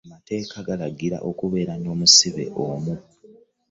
Amateeka galagira kubeera na musirikale omu.